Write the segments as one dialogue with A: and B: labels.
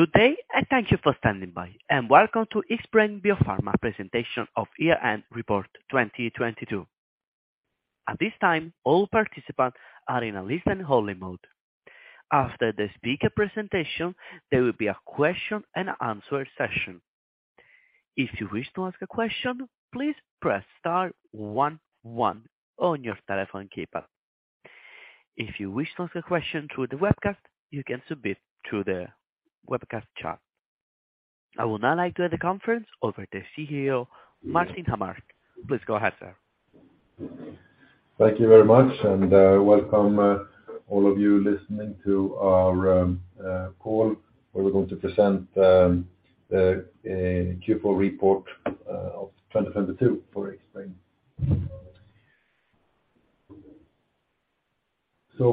A: Good day, thank you for standing by, and welcome to Xbrane Biopharma presentation of year-end report 2022. At this time, all participants are in a listen-only mode. After the speaker presentation, there will be a question and answer session. If you wish to ask a question, please press star one one on your telephone keypad. If you wish to ask a question through the webcast, you can submit through the webcast chat. I would now like to hand the conference over to CEO Martin Åmark. Please go ahead, sir.
B: Thank you very much, welcome all of you listening to our call, where we're going to present Q4 report of 2022 for Xbrane.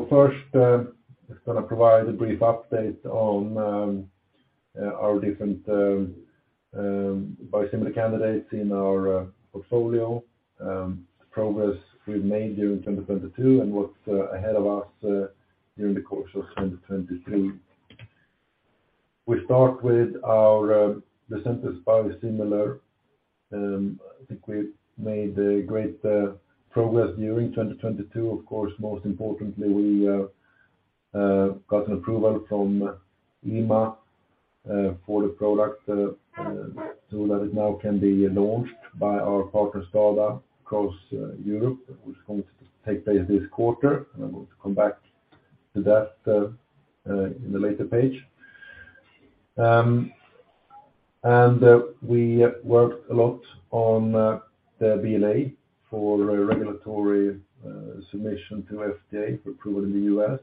B: First, just gonna provide a brief update on our different biosimilar candidates in our portfolio, progress we've made during 2022 and what's ahead of us during the course of 2023. We start with our Lucentis biosimilar. I think we've made great progress during 2022. Of course, most importantly, we got an approval from EMA for the product, so that it now can be launched by our partner STADA across Europe, which is going to take place this quarter. I'm going to come back to that in a later page. We worked a lot on the BLA for regulatory submission to FDA for approval in the US.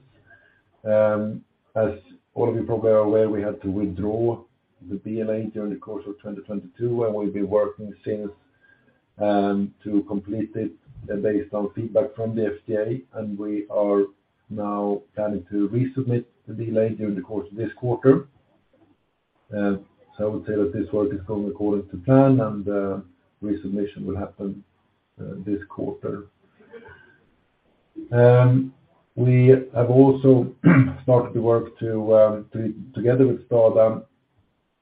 B: As all of you probably are aware, we had to withdraw the BLA during the course of 2022, and we've been working since to complete it based on feedback from the FDA. We are now planning to resubmit the BLA during the course of this quarter. So I would say that this work is going according to plan, and resubmission will happen this quarter. We have also started the work to together with Stada,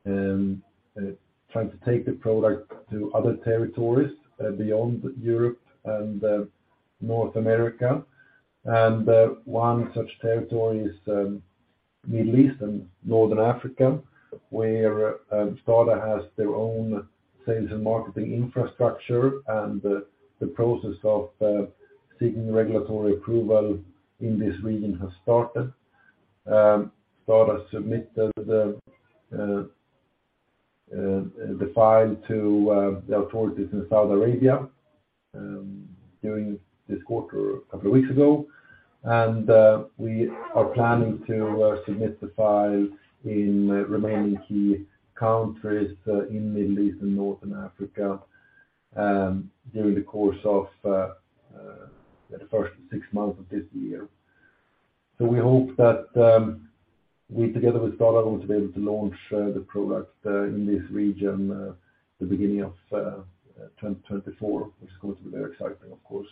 B: trying to take the product to other territories beyond Europe and North America. One such territory is Middle East and Northern Africa, where Stada has their own sales and marketing infrastructure. The process of seeking regulatory approval in this region has started. Stada submitted the file to the authorities in Saudi Arabia during this quarter, a couple of weeks ago. We are planning to submit the file in remaining key countries in Middle East and Northern Africa during the course of the first six months of this year. We hope that we together with Stada will be able to launch the product in this region the beginning of 2024, which is going to be very exciting, of course.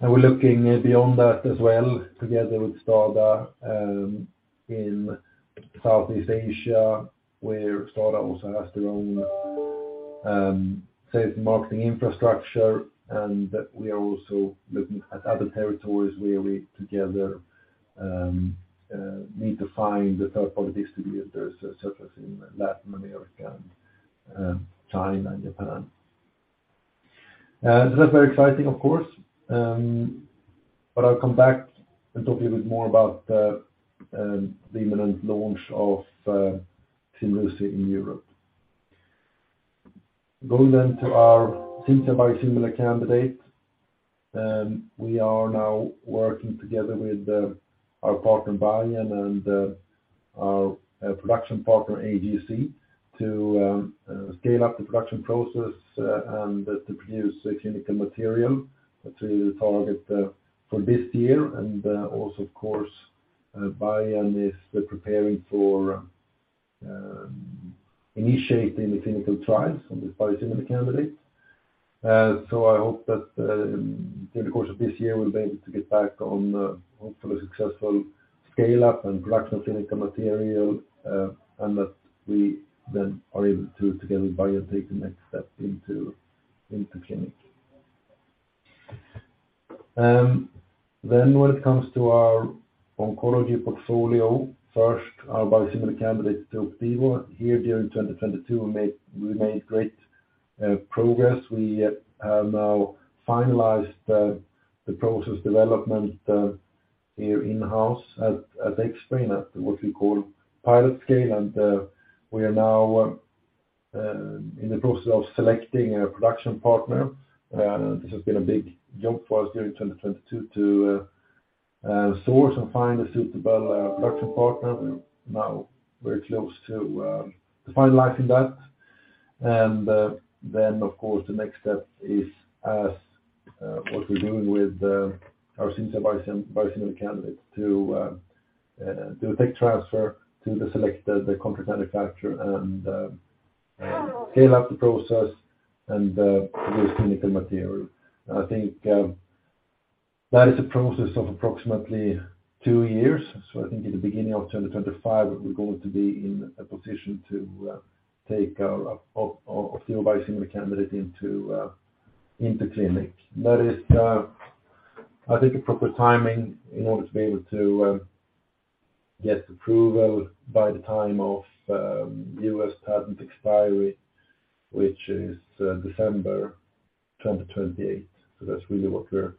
B: We're looking beyond that as well together with Stada in Southeast Asia, where Stada also has their own sales and marketing infrastructure. We are also looking at other territories where we together need to find the third party distributors, such as in Latin America and China and Japan. That's very exciting, of course. I'll come back and talk a little bit more about the imminent launch of Ximluci in Europe. Going then to our Cimzia biosimilar candidate, we are now working together with our partner Biogen and our production partner AGC to scale up the production process and to produce a clinical material to target for this year. Also of course, Biogen is preparing for initiating the clinical trials on this biosimilar candidate. I hope that, during the course of this year, we'll be able to get back on hopefully successful scale up and production of clinical material, and that we then are able to, together with BioNTech, take the next step into clinic. When it comes to our oncology portfolio, first our biosimilar candidate Opdivo. Here during 2022, we made great progress. We have now finalized the process development here in-house at Xbrane at what we call pilot scale. We are now in the process of selecting a production partner. This has been a big job for us during 2022 to source and find a suitable production partner. We're now very close to finalizing that. Of course, the next step is as what we're doing with our Cimzia biosimilar candidate to do a tech transfer to the selected contract manufacturer and scale up the process and produce clinical material. I think that is a process of approximately 2 years. I think in the beginning of 2025, we're going to be in a position to take our biosimilar candidate into clinic. That is, I think a proper timing in order to be able to get approval by the time of US patent expiry, which is December 2028. That's really what we're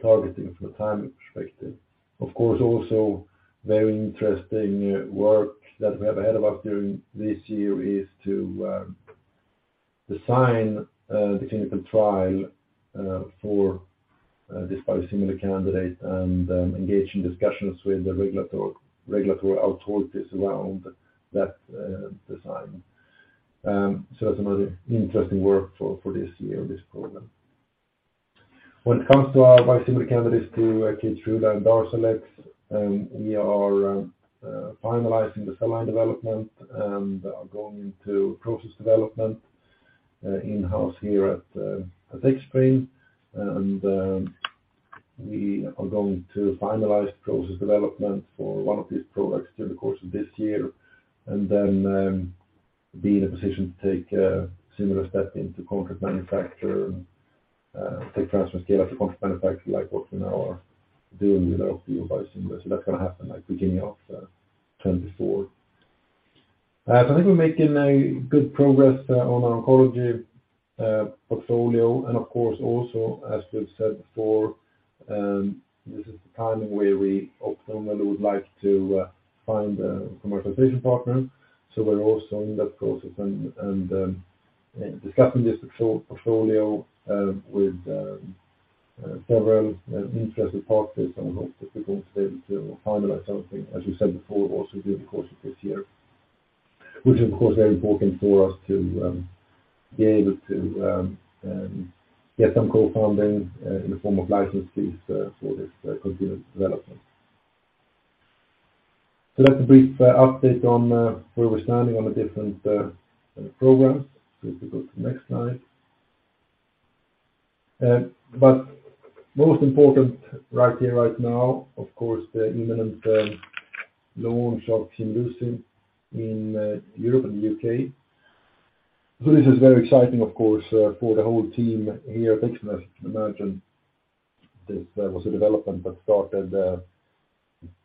B: targeting from a timing perspective. Of course, also very interesting work that we have ahead of us during this year is to design the clinical trial for this biosimilar candidate and engage in discussions with the regulatory authorities around that design. That's another interesting work for this year on this program. When it comes to our biosimilar candidates to Keytruda and Darzalex, we are finalizing the cell line development and are going into process development in-house here at Xbrane. We are going to finalize process development for one of these products during the course of this year and then be in a position to take a similar step into contract manufacture and take transfer scale up to contract manufacture like what we now are doing with our opioid biosimilar. That's gonna happen like beginning of 2024. I think we're making a good progress on our oncology portfolio. Of course, also, as we've said before, this is the timing where we optimally would like to find a commercialization partner. We're also in that process and discussing this portfolio with several interested parties. I hope that we can be able to finalize something, as we said before, also during the course of this year, which is of course very important for us to be able to get some co-funding in the form of license fees for this continued development. That's a brief update on where we're standing on the different programs. If you go to the next slide. Most important right here, right now, of course, the imminent launch of Ximluci in Europe and the U.K. This is very exciting, of course, for the whole team here at Xbrane. As you can imagine, this was a development that started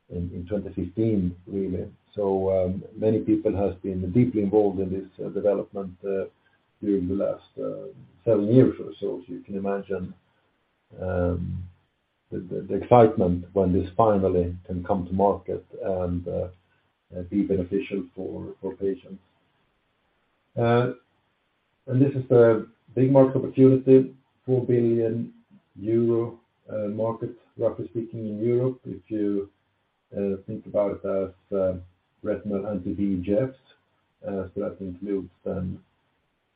B: in 2015 really. Many people has been deeply involved in this development during the last 7 years or so. You can imagine the excitement when this finally can come to market and be beneficial for patients. This is a big market opportunity, 4 billion euro market, roughly speaking, in Europe, if you think about it as retinal anti-VEGFs. That includes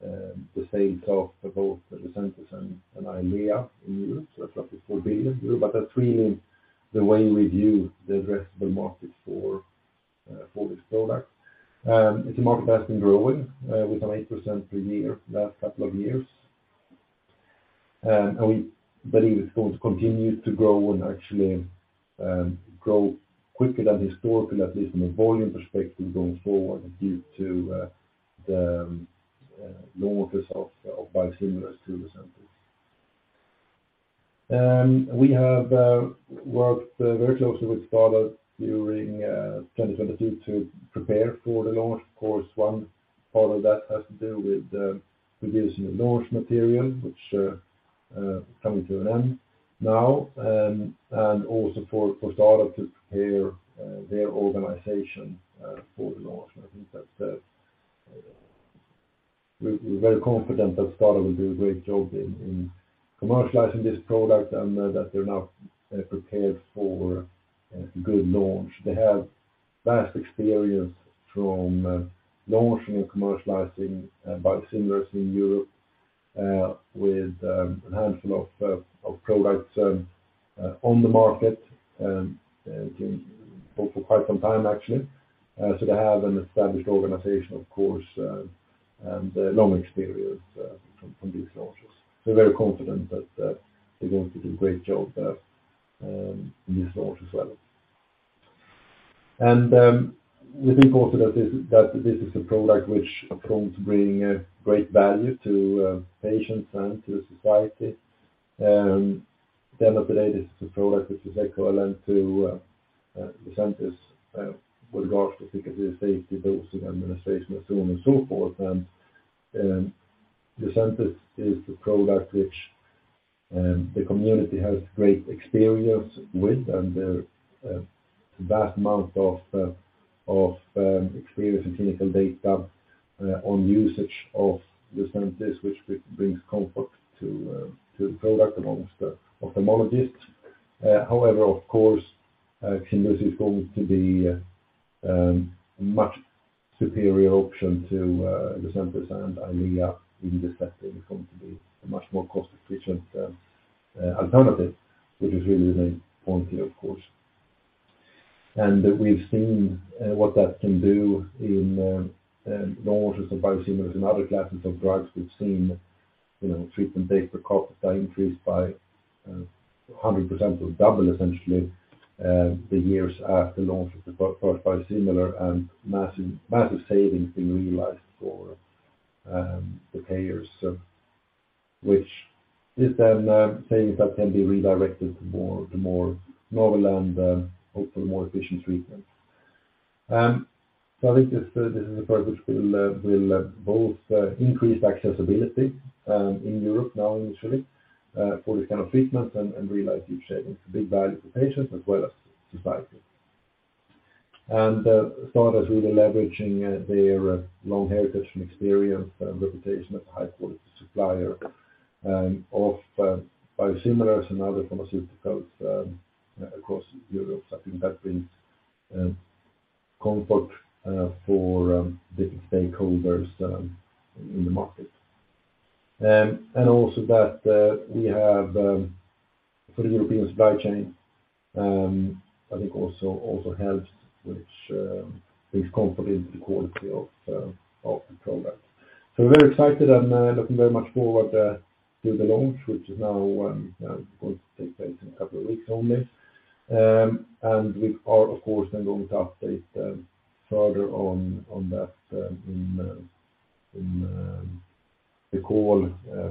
B: then the sales of both Lucentis and Eylea in Europe. That's roughly EUR 4 billion. That's really the way we view the addressable market for this product. It's a market that's been growing, with some 8% per year for the last couple of years. We believe it's going to continue to grow and actually, grow quicker than historical, at least from a volume perspective going forward due to the launches of biosimilars to Lucentis. We have worked very closely with STADA during 2022 to prepare for the launch. Of course, one part of that has to do with producing the launch material, which is coming to an end now, and also for STADA to prepare their organization for the launch. I think that's, we're very confident that STADA will do a great job in commercializing this product and that they're now prepared for a good launch. They have vast experience from launching and commercializing biosimilars in Europe with a handful of products on the market for quite some time actually. So they have an established organization, of course, and long experience from these launches. We're very confident that they're going to do a great job in this launch as well. It's important that this is a product which are going to bring a great value to patients and to the society. Updated to product which is equivalent to Lucentis with regards to efficacy, safety, dosing, administration and so on and so forth. Lucentis is the product which the community has great experience with and vast amount of experience and clinical data on usage of Lucentis which brings comfort to the product amongst the ophthalmologists. However, of course, Ximluci is going to be a much superior option to Lucentis and Eylea in this setting. It's going to be a much more cost-efficient alternative, which is really the main point here, of course. We've seen what that can do in launches of biosimilars and other classes of drugs. We've seen, you know, treatment dates per cost increase by 100% or double essentially, the years after launch of the first biosimilar and massive savings being realized for the payers. This is then, savings that can be redirected to more novel and hopefully more efficient treatments. I think this is a product which will both increase accessibility in Europe now initially for this kind of treatment and realize huge savings, big value for patients as well as society. Sartorius really leveraging their long heritage and experience and reputation as a high-quality supplier of biosimilars and other pharmaceuticals across Europe. I think that brings comfort for different stakeholders in the market. Also that we have for the European supply chain, I think also helps, which brings comfort into the quality of the product. We're very excited and looking very much forward to the launch, which is now going to take place in a couple of weeks only. We are of course then going to update further on that in the call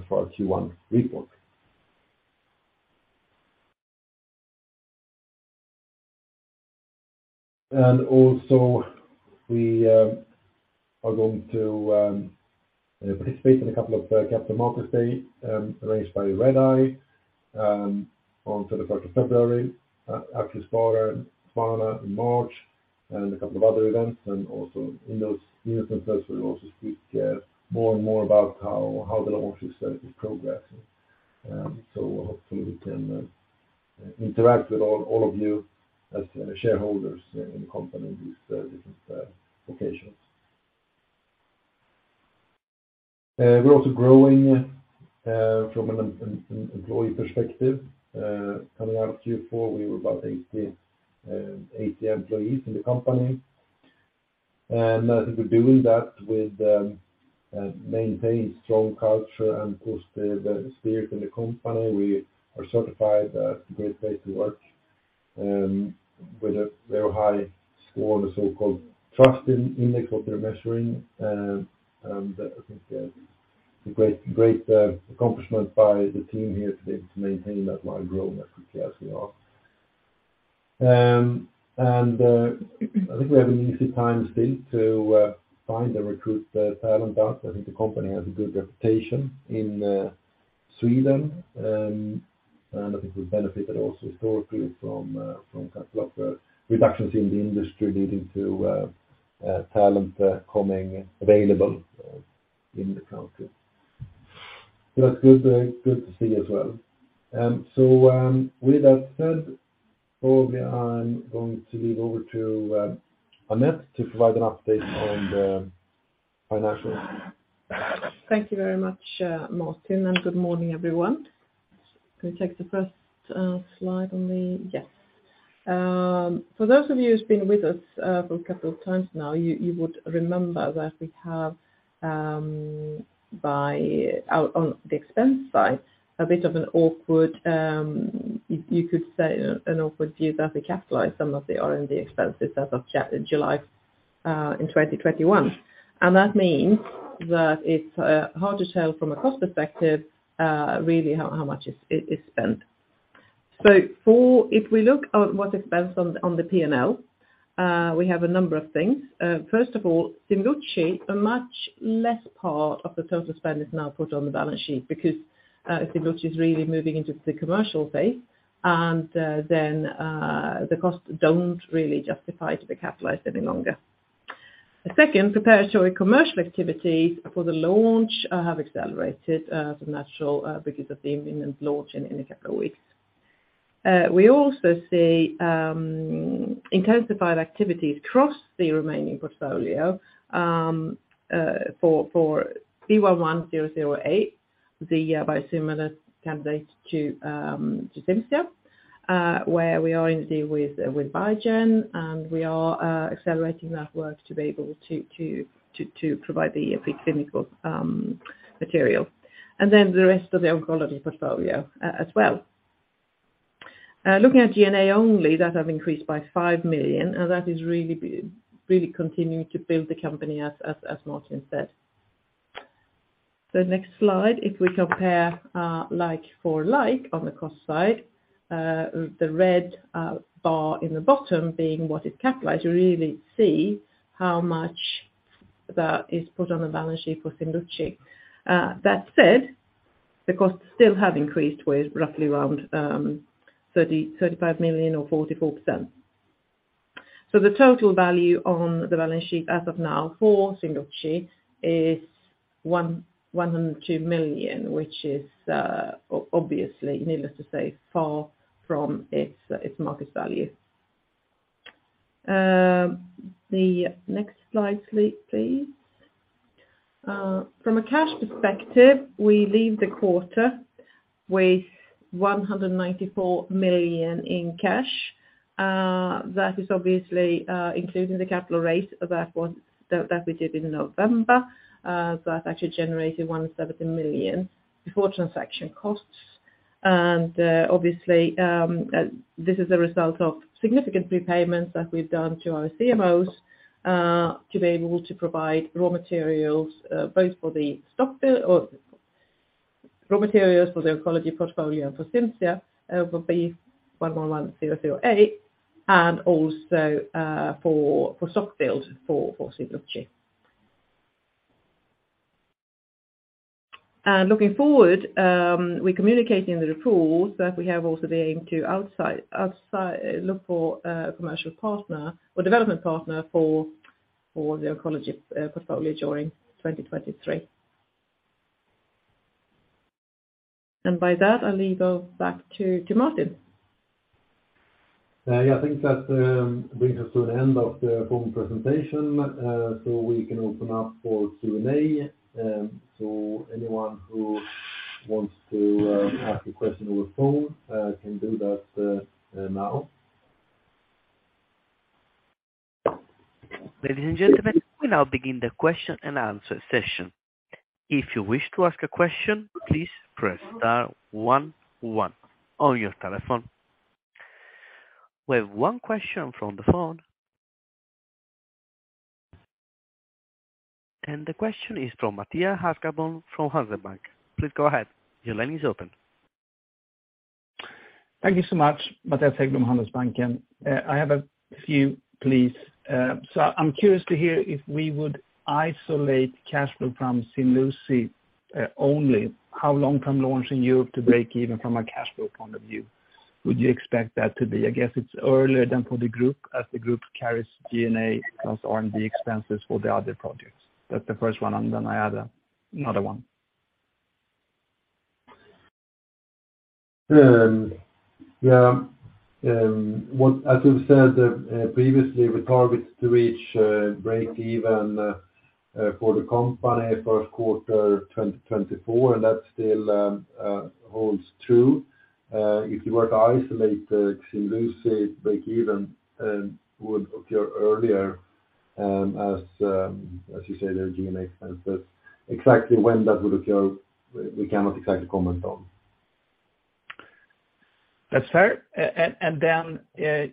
B: for our Q1 report. Also we are going to participate in a couple of capital market day arranged by Redeye on 31st of February. Aktiespararna in Spånga in March, and a couple of other events. Also in those meetings and events we'll also speak more and more about how the launch is progressing. Hopefully we can interact with all of you as shareholders in the company these different occasions. We're also growing from an employee perspective. Coming out of Q4, we were about 80 employees in the company. I think we're doing that with maintaining strong culture and of course the spirit in the company. We are certified a Great Place to Work with a very high score on the so-called Trust Index, what they're measuring. I think a great accomplishment by the team here today to maintain that while growing as quickly as we are. I think we have an easy time still to find and recruit talent out. I think the company has a good reputation in Sweden. I think we've benefited also historically from kind of lot of reductions in the industry leading to talent coming available in the country. That's good to see as well. With that said, probably I'm going to leave over to Annette to provide an update on the financials.
C: Thank you very much, Martin, good morning everyone. Can we take the first slide on the Yes. For those of you who's been with us for a couple of times now, you would remember that we have out on the expense side, a bit of an awkward, you could say an awkward view that we capitalized some of the R&D expenses as of July in 2021. That means that it's hard to tell from a cost perspective, really how much is spent. If we look at what expense on the P&L, we have a number of things. First of all, Ximluci, a much less part of the total spend is now put on the balance sheet because Ximluci is really moving into the commercial phase, then the costs don't really justify to be capitalized any longer. Second, preparatory commercial activities for the launch have accelerated as a natural because of the imminent launch in a couple of weeks. We also see intensified activities across the remaining portfolio for C11008, the biosimilar candidate to Cimzia, where we are with Biogen, and we are accelerating that work to be able to provide the API chemical material. Then the rest of the oncology portfolio as well. Looking at G&A only, that have increased by $5 million, that is really continuing to build the company as Martin said. Next slide. If we compare, like for like on the cost side, the red bar in the bottom being what is capitalized, you really see how much that is put on the balance sheet for Ximluci. That said, the costs still have increased with roughly around 30-35 million or 44%. The total value on the balance sheet as of now for Ximluci is $102 million, which is obviously, needless to say, far from its market value. The next slide please. From a cash perspective, we leave the quarter with $194 million in cash. That is obviously including the capital raise that we did in November. That actually generated 170 million before transaction costs. Obviously, this is a result of significant prepayments that we've done to our CMOs to be able to provide raw materials both for the stock build or raw materials for the oncology portfolio for Cimzia, for BII11100A and also for stock build for Ximluci. Looking forward, we communicated in the report that we have also the aim to outside look for a commercial partner or development partner for the oncology portfolio during 2023. By that, I'll leave us back to Martin.
B: Yeah, I think that brings us to an end of the phone presentation, so we can open up for Q&A. Anyone who wants to ask a question over phone can do that now.
A: Ladies and gentlemen, we now begin the question and answer session. If you wish to ask a question, please press star one one on your telephone. We have one question from the phone. The question is from Mattias Häggblom from Handelsbanken. Please go ahead. Your line is open.
D: Thank you so much Mattias Häggblom from Handelsbanken. I have a few please. So I'm curious to hear if we would isolate cash flow from Ximluci, only how long from launch in Europe to break even from a cash flow point of view, would you expect that to be? I guess it's earlier than for the group as the group carries G&A plus R&D expenses for the other projects. That's the first one. I'm going to add another one.
B: Yeah. As we've said previously, we target to reach break even for the company first quarter 2024, and that still holds true. If you were to isolate the Ximluci break even would appear earlier, as you say, the G&A expenses. Exactly when that would occur, we cannot exactly comment on.
D: That's fair. Then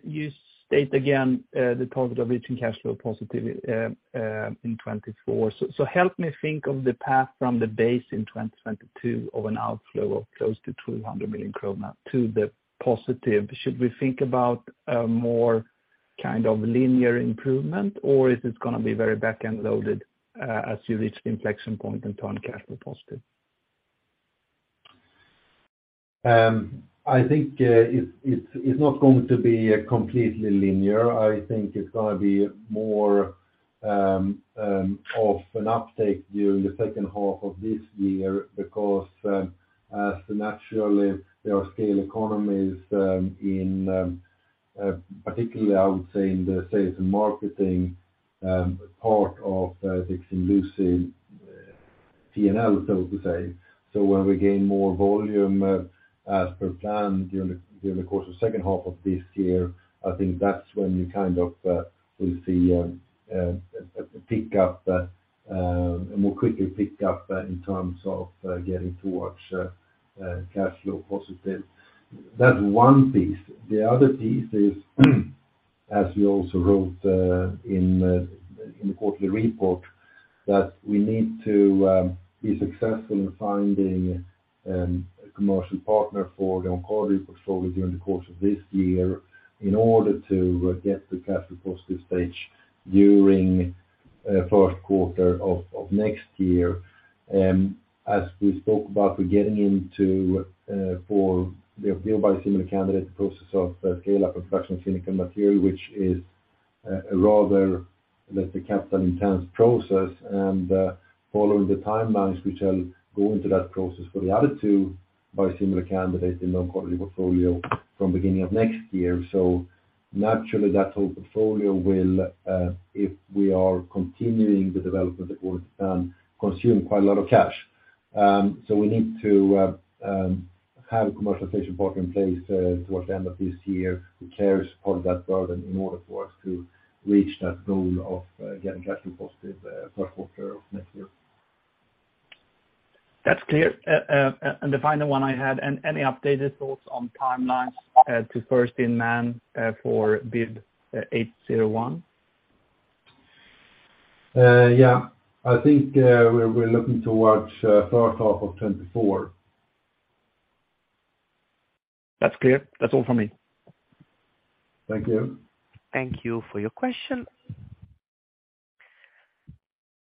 D: you state again, the target of reaching cash flow positive in 2024. Help me think of the path from the base in 2022 of an outflow of close to 200 million krona to the positive. Should we think about a more kind of linear improvement, or is this gonna be very back-end loaded as you reach the inflection point in turn cash flow positive?
B: I think it's not going to be completely linear. I think it's gonna be more of an uptake during the second half of this year because as naturally there are scale economies in particularly I would say in the sales and marketing part of the Ximluci P&L, so to say. When we gain more volume as per planned during the during the course of second half of this year, I think that's when you kind of will see a pick up a more quicker pick up in terms of getting towards cash flow positive. That's one piece. The other piece is, as we also wrote, in the quarterly report, that we need to be successful in finding a commercial partner for the Oncology portfolio during the course of this year in order to get to cash flow positive stage during first quarter of next year. As we spoke about, we're getting into for the biosimilar candidate process of scale-up production clinical material, which is a rather capital intense process and following the timelines which I'll go into that process for the other two biosimilar candidate in Oncology portfolio from beginning of next year. Naturally, that whole portfolio will, if we are continuing the development, it would consume quite a lot of cash. We need to have a commercialization partner in place towards the end of this year who carries part of that burden in order for us to reach that goal of getting cash flow positive, Q1 of next year.
D: That's clear. The final one I had, any updated thoughts on timelines, to first-in-human, for BIIB801?
B: Yeah. I think, we're looking towards first half of 2024.
D: That's clear. That's all for me.
B: Thank you.
A: Thank you for your question.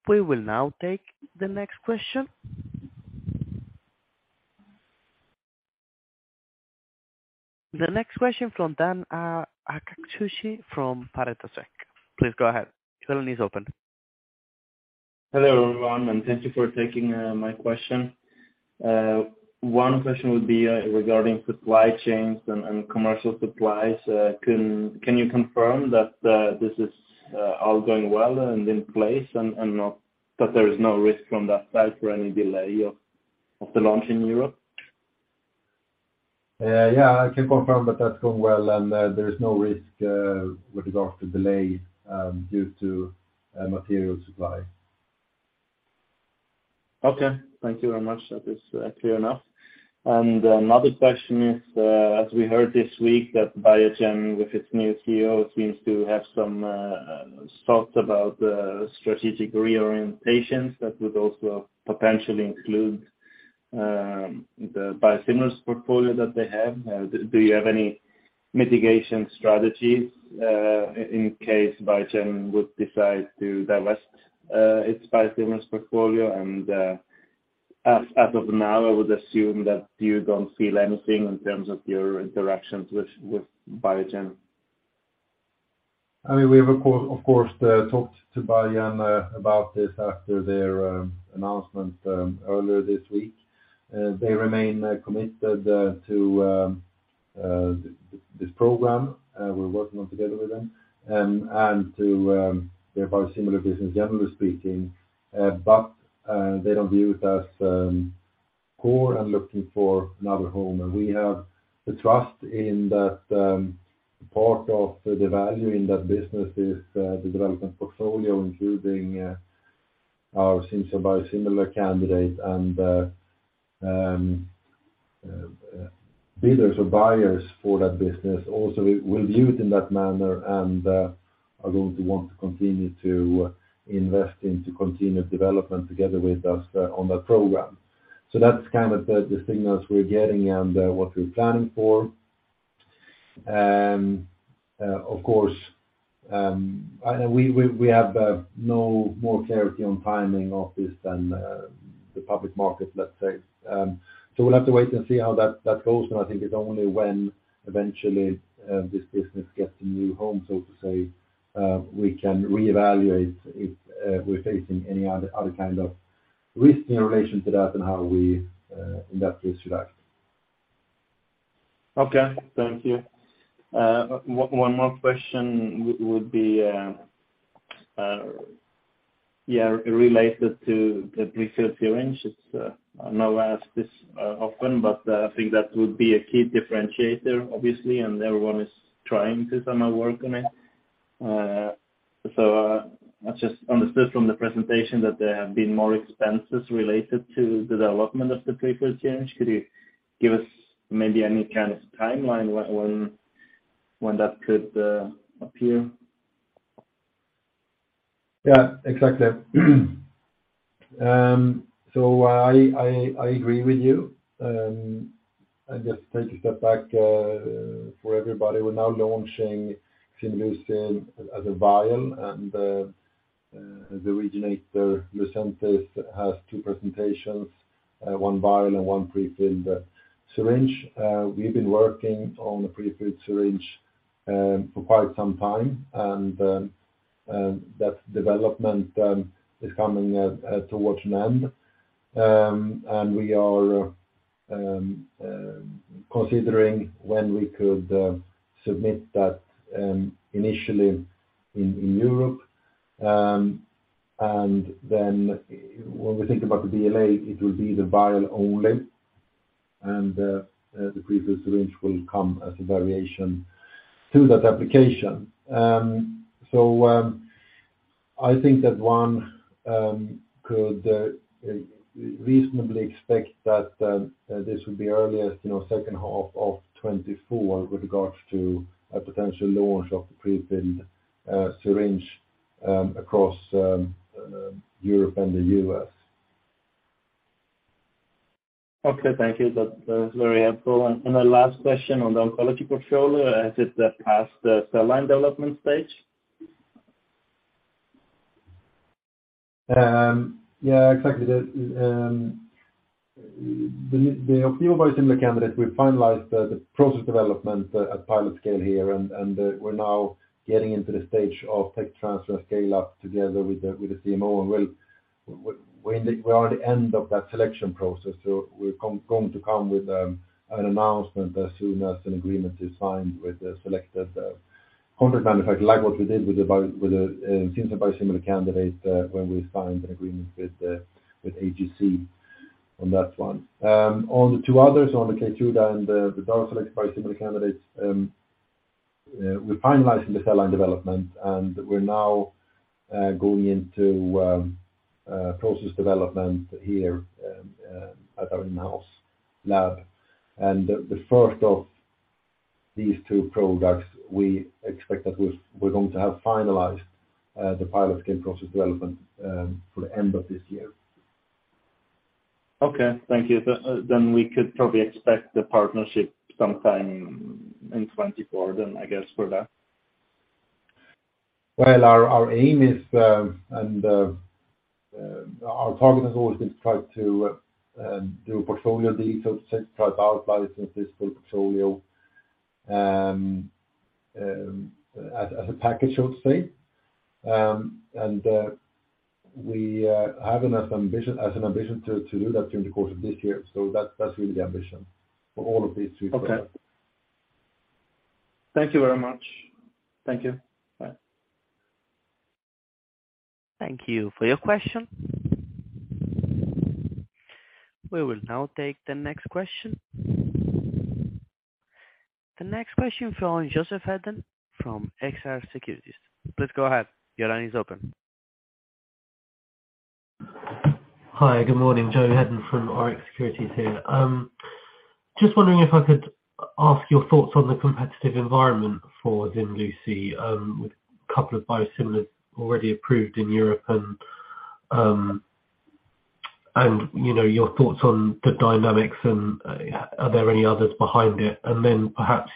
A: We will now take the next question. The next question from Dan Akschuti from Pareto Securities. Please go ahead. Your line is open.
C: Hello, everyone, thank you for taking my question.
E: One question would be regarding supply chains and commercial supplies. Can you confirm that this is all going well and in place and not, that there is no risk from that side for any delay of the launch in Europe?
B: Yeah, I can confirm that that's going well, and there is no risk with regards to delay due to material supply.
E: Okay. Thank you very much. That is clear enough. Another question is, as we heard this week that Biogen, with its new CEO, seems to have some thoughts about strategic reorientations that would also potentially include the biosimilars portfolio that they have. Do you have any mitigation strategies in case Biogen would decide to divest its biosimilars portfolio? As of now, I would assume that you don't feel anything in terms of your interactions with Biogen.
B: I mean, we have of course talked to Biogen about this after their announcement earlier this week. They remain committed to this program we're working on together with them and to their biosimilar business generally speaking. They don't view it as core and looking for another home. We have the trust in that part of the value in that business is the development portfolio, including our Cimzia similar candidate and bidders or buyers for that business also will view it in that manner and are going to want to continue to invest in to continue development together with us on that program. That's kind of the signals we're getting and what we're planning for. Of course, I know we have no more clarity on timing of this than the public market, let's say. We'll have to wait and see how that goes. I think it's only when eventually, this business gets a new home, so to say, we can reevaluate if we're facing any other kind of risk in relation to that and how we, in that case should act.
E: Okay, thank you. one more question would be, yeah, related to the prefilled syringe. It's, I know I ask this often, but I think that would be a key differentiator obviously, and everyone is trying to somehow work on it. I just understood from the presentation that there have been more expenses related to the development of the prefilled syringe. Could you give us maybe any kind of timeline when that could appear?
B: Yeah, exactly. I agree with you. I'll just take a step back for everybody. We're now launching Ximluci as a vial and the originator, Lucentis, has two presentations, one vial and one prefilled syringe. We've been working on the prefilled syringe for quite some time, that development is coming towards an end. We are considering when we could submit that initially in Europe. When we think about the BLA, it will be the vial only, the prefilled syringe will come as a variation to that application. I think that one could reasonably expect that this would be earliest, you know, second half of 2024 with regards to a potential launch of the prefilled syringe across Europe and the US.
E: Okay. Thank you. That is very helpful. The last question on the oncology portfolio, has it passed the cell line development stage?
B: Yeah, exactly. The Opdivo biosimilar candidate, we finalized the process development at pilot scale here and we're now getting into the stage of tech transfer and scale-up together with the CMO. We're in the, we're at the end of that selection process, so we're going to come with an announcement as soon as an agreement is signed with the selected contract manufacturer, like what we did with the Cimzia similar candidate when we signed an agreement with AGC on that one. On the two others, on the Keytruda and the Darzalex biosimilar candidates, we're finalizing the cell line development, and we're now going into process development here at our in-house lab. The first of these two products, we expect that we've, we're going to have finalized, the pilot scale process development, for the end of this year.
E: Okay. Thank you. We could probably expect the partnership sometime in 2024 then I guess for that?
B: Well, our aim is, and our target has always been try to do a portfolio deal. Try to out-license this whole portfolio as a package should say. We have enough ambition, as an ambition to do that during the course of this year. That's really the ambition for all of these three products.
A: Okay. Thank you very much. Thank you. Bye. Thank you for your question. We will now take the next question. The next question from Joseph Hedden from Rx Securities. Please go ahead. Your line is open.
F: Hi. Good morning. Joe Hedden from Rx Securities here. Just wondering if I could ask your thoughts on the competitive environment for Ximluci, with a couple of biosimilars already approved in Europe and, you know, your thoughts on the dynamics and, are there any others behind it? Perhaps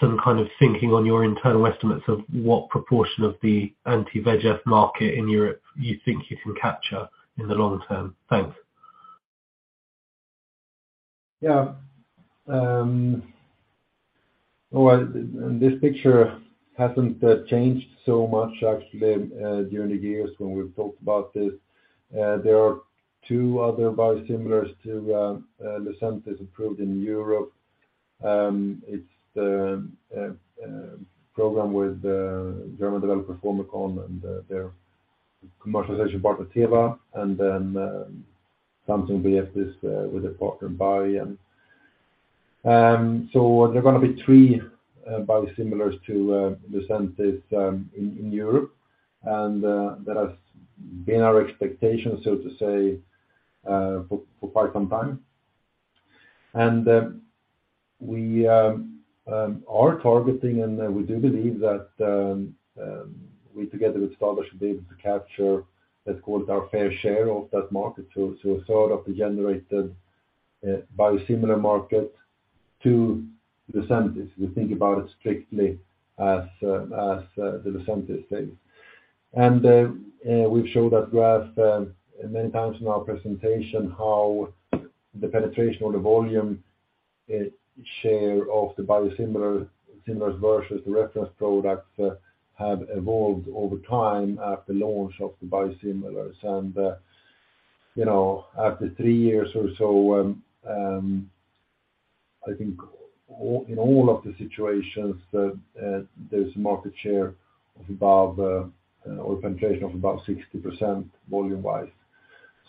F: some kind of thinking on your internal estimates of what proportion of the anti-VEGF market in Europe you think you can capture in the long term. Thanks.
B: Yeah. Well, this picture hasn't changed so much actually during the years when we've talked about this. There are two other biosimilars to Lucentis approved in Europe. It's the program with German developer Formycon and their commercialization partner, Teva, and then Samsung Bioepis with their partner BioNTech. There are gonna be three biosimilars to Lucentis in Europe. That has been our expectation, so to say, for quite some time. We are targeting, and we do believe that we together with Stallergen will be able to capture, let's call it, our fair share of that market. So sort of the generated biosimilar market to Lucentis. We think about it strictly as the Lucentis space. We've showed that graph many times in our presentation how the penetration or the volume share of the biosimilars versus the reference products have evolved over time after launch of the biosimilars. You know, after 3 years or so, I think all, in all of the situations the there's market share of above or penetration of above 60% volume-wise.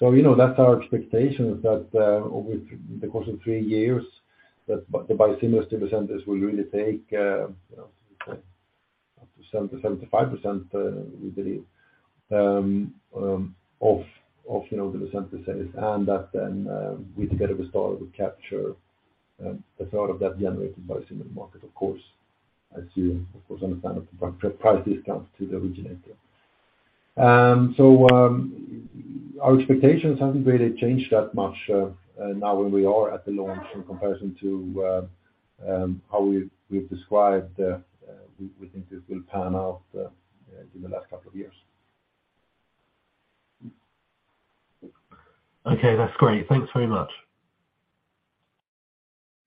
B: You know, that's our expectation is that over the course of 3 years that the biosimilars to Lucentis will really take, you know, up to 70%-75% we believe of, you know, the Lucentis sales. That then we together with Stallergen will capture a sort of that generated biosimilar market, of course, as you of course understand with the price discounts to the originator. Our expectations haven't really changed that much, now when we are at the launch in comparison to, how we've described, we think this will pan out, in the last couple of years.
F: Okay. That's great. Thanks very much.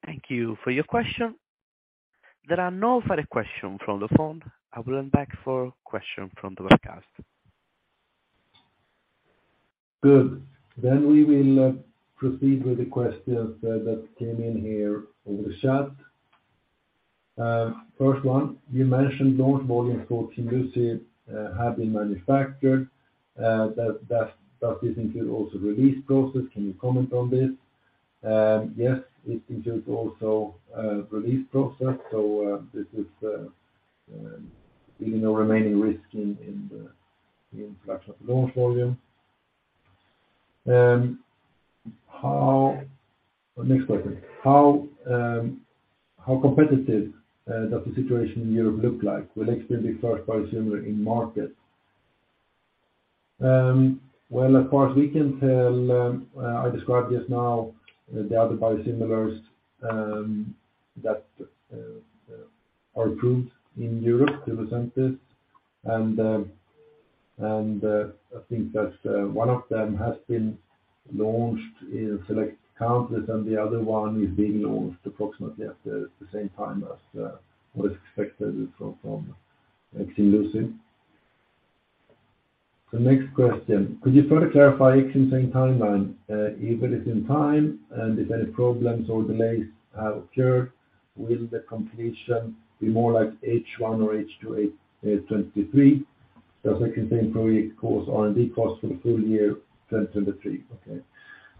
A: Thank you for your question. There are no further question from the phone. I will come back for question from the webcast.
B: Good. We will proceed with the questions that came in here over the chat. First one, you mentioned launch volume for Ximluci have been manufactured. Does this include also release process? Can you comment on this? Yes, it includes also release process, so this is, you know, remaining risk in the production of launch volume. Next question. How competitive does the situation in Europe look like with Cimzia first biosimilar in market? As far as we can tell, I described just now the other biosimilars that are approved in Europe to Lucentis. I think that one of them has been launched in select countries, and the other one is being launched approximately at the same time as what is expected with from Ximluci. The next question, could you further clarify Ximvza timeline, if it is on time, and if any problems or delays have occurred, will the completion be more like H1 or H2 2023? Does Ximvza probably cause R&D costs for the full year 2023? Okay.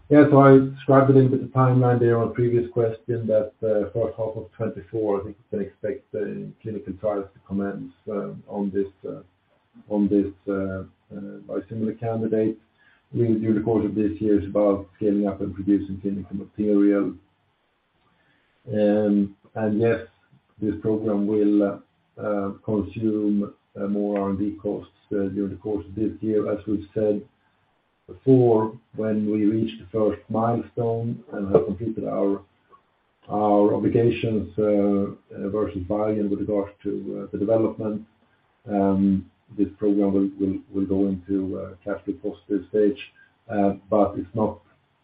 B: Yeah. I described a little bit the timeline there on previous question that first half of 2024, I think you can expect the clinical trials to commence on this biosimilar candidate. Really during the course of this year is about scaling up and producing clinical material. Yes, this program will consume more R&D costs during the course of this year. As we've said before, when we reach the first milestone and have completed our obligations versus BioNTech with regards to the development. This program will go into cash flow positive stage. It's not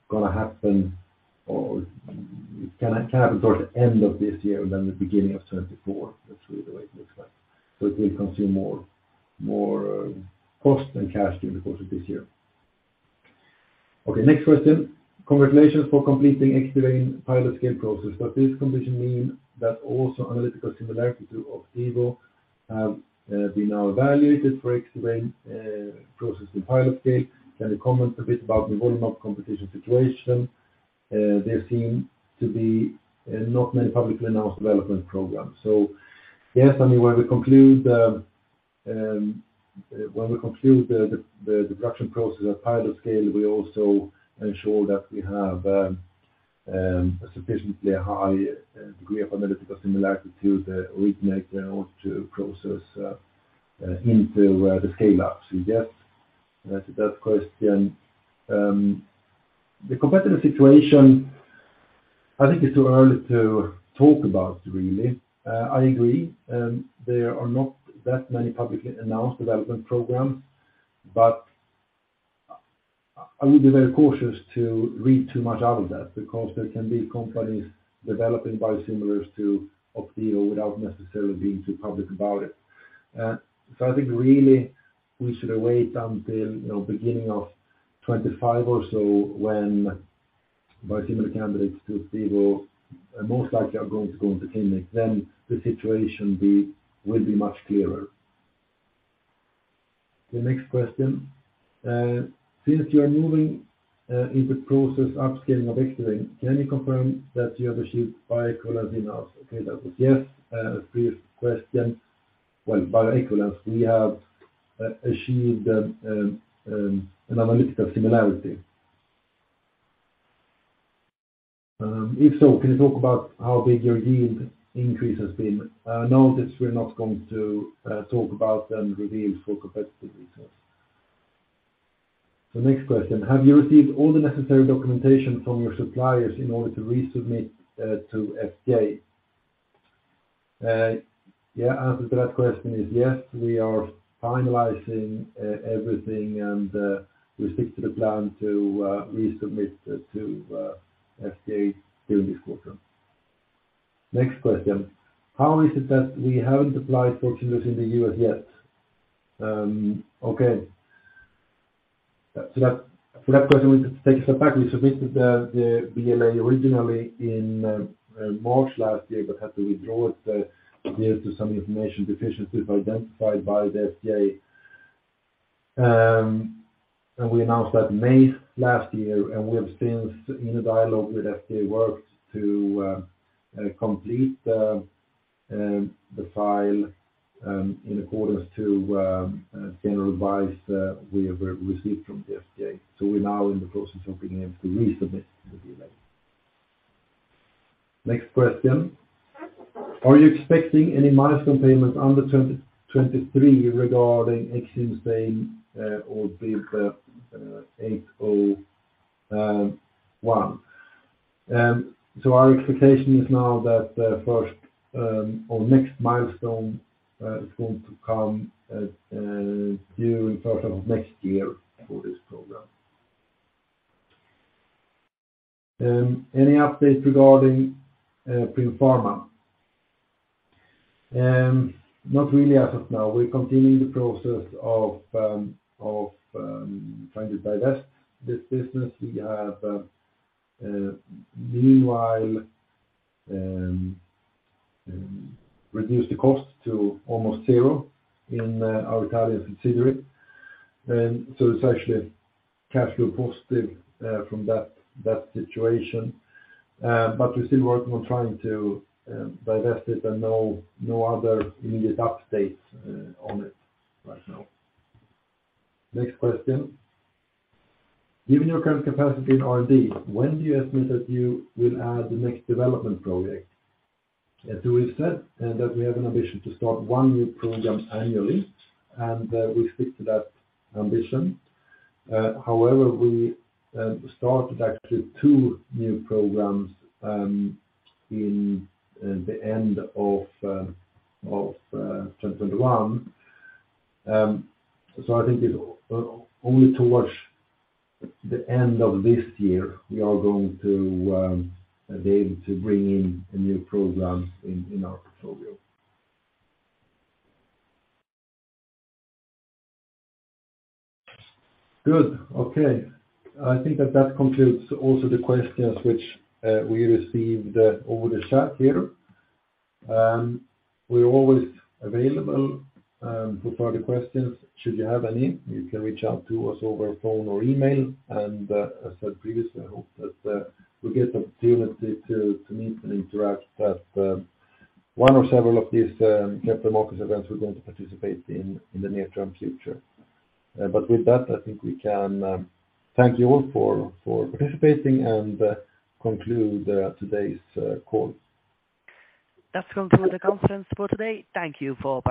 B: gonna happen, or it can happen towards the end of this year than the beginning of 2024. That's really the way it looks like. It will consume more cost and cash during the course of this year. Okay, next question. Congratulations for completing Xdivanee pilot scale process. Does this completion mean that also analytical similarity to Opdivo have been now evaluated for Xdivane process in pilot scale? Can you comment a bit about the volume of competition situation? There seem to be not many publicly announced development programs. Yes, I mean, when we conclude the when we conclude the the the production process at pilot scale, we also ensure that we have a sufficiently high degree of analytical similarity to the original or to process into the scale-up. Yes, to that question. The competitive situation, I think it's too early to talk about really. I agree, there are not that many publicly announced development programs, but I would be very cautious to read too much out of that because there can be companies developing biosimilars to Opdivo without necessarily being too public about it. I think really we should wait until, you know, beginning of 2025 or so when biosimilar candidates to Opdivo are most likely are going to go into clinic, then the situation will be much clearer. The next question. Since you're moving in the process upscaling of Xofigine, can you confirm that you have achieved bioequivalence? Okay, that was yes. Previous question. Well, bioequivalence, we have achieved an analytical similarity. If so, can you talk about how big your yield increase has been? No, this we're not going to talk about the yields for competitive reasons. Next question. Have you received all the necessary documentation from your suppliers in order to resubmit to FDA? Yeah, answer to that question is yes. We are finalizing everything and we stick to the plan to resubmit to FDA during this quarter. Next question. How is it that we haven't applied for 450 1 in the U.S. yet? Okay. For that question, we need to take a step back. We submitted the BLA originally in March last year, but had to withdraw it due to some information deficiencies identified by the FDA. We announced that in May last year, and we have since in a dialogue with FDA worked to complete the file in accordance to general advice that we have re-received from the FDA. We're now in the process of being able to resubmit the BLA. Next question. Are you expecting any milestone payments under 2023 regarding Xofigine or BIIB801? Our expectation is now that the first or next milestone is going to come during first half of next year for this program. Any updates regarding Primm Pharma? Not really as of now. We're continuing the process of trying to divest this business. We have meanwhile reduced the cost to almost zero in our Italian subsidiary. It's actually cash flow positive from that situation. We're still working on trying to divest it and no other immediate updates on it right now. Next question. Given your current capacity in R&D, when do you estimate that you will add the next development project? As we said that we have an ambition to start 1 new program annually, we stick to that ambition. However, we started actually two new programs in the end of 2021. I think it's only towards the end of this year we are going to be able to bring in a new program in our portfolio. Good. Okay. I think that concludes also the questions which we received over the chat here. We're always available for further questions should you have any. You can reach out to us over phone or email. As said previously, I hope that we get opportunity to meet and interact at one or several of these capital markets events we're going to participate in the near-term future. With that, I think we can thank you all for participating and conclude today's call.
A: That concludes the conference for today. Thank you for participating.